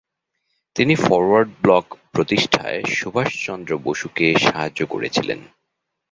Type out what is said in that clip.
তিনি forward block প্রতিষ্ঠায় সুভাষচন্দ্র বসুকে সাহায্য করেছিলেন।